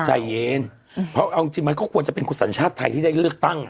ใจเย็นเพราะเอาจริงมันก็ควรจะเป็นคุณสัญชาติไทยที่ได้เลือกตั้ง